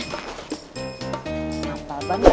nampal banget jauh